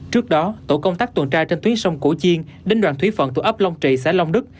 trước đó tổ công tác tuần tra trên tuyến sông cổ chiên đến đoàn thúy phận thuộc ấp long trị xã long đức